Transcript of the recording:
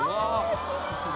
きれいな色」